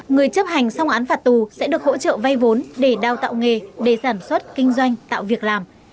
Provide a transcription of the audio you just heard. người chấp hành xong án phạt tù sẽ được hỗ trợ vay vốn để đào tạo nghề để sản xuất kinh doanh tạo việc làm